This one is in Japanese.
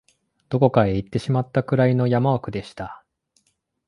どこかへ行ってしまったくらいの山奥でした